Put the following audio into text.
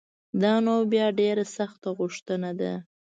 دا نو بیا ډېره سخته غوښتنه ده